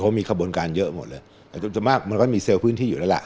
เพราะมีขบวนการเยอะหมดเลยส่วนมากมันก็มีเซลล์พื้นที่อยู่แล้วล่ะ